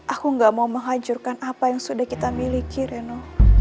aku gak mau menghancurkan apa yang sudah kita miliki reno